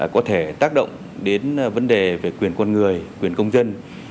có thể tác động đến vấn đề về quyền con người quyền công dân